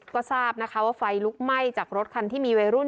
ก็ทราบนะคะว่าไฟลุกไหม้จากรถคันที่มีวัยรุ่น